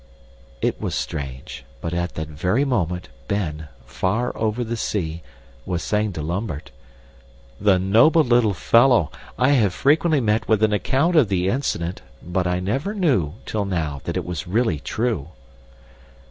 It was strange, but at that very moment, Ben, far over the sea, was saying to Lambert, "The noble little fellow! I have frequently met with an account of the incident, but I never knew, till now, that it was really true."